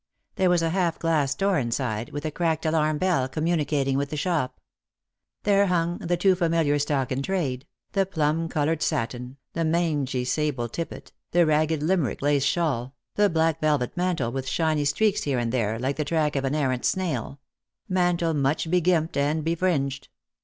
There was a half glass door inside, with a cracked alarm bell communicating with the shop. There hung the too familiar stock in trade — the plum coloured satin, the mangy sable tippet, the ragged Limerick lace shawl, the black velvet mantle with shiny streaks here and there, like the track of an errant snail — mantle much begimped Lost for Love. 223 and befringed.